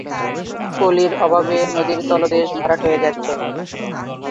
পলির প্রভাবে নদীর তলদেশ ভরাট হয়ে যাচ্ছে।